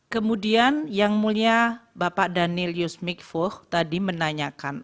kemudian yang mulia bapak daniel yus mikfuh tadi menanyakan